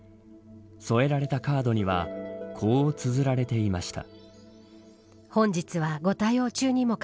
添えられたカードにはこう、つづられていました。